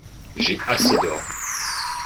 J'ai assez d'or.